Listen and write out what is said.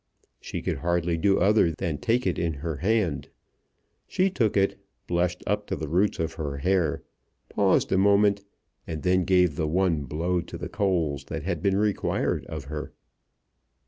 She could hardly do other than take it in her hand. She took it, blushed up to the roots of her hair, paused a moment, and then gave the one blow to the coals that had been required of her.